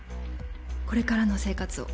これからの生活を。